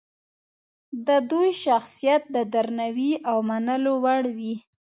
د دوی شخصیت د درناوي او منلو وړ وي.